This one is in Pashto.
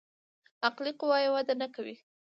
عقلي قوه يې وده نکوي.